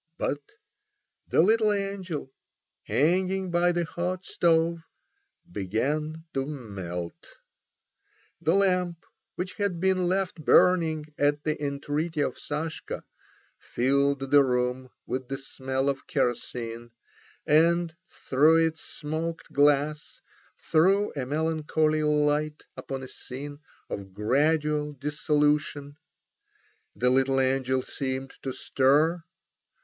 But the little angel hanging by the hot stove began to melt. The lamp, which had been left burning at the entreaty of Sashka, filled the room with the smell of kerosene, and through its smoked glass threw a melancholy light upon a scene of gradual dissolution. The little angel seemed to stir.